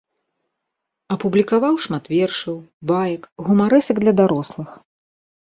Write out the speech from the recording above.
Апублікаваў шмат вершаў, баек, гумарэсак для дарослых.